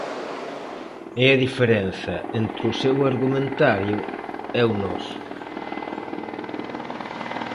É a diferenza entre o seu argumentario e o noso.